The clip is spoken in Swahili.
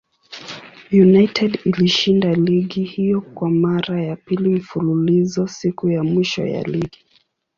United ilishinda ligi hiyo kwa mara ya pili mfululizo siku ya mwisho ya ligi.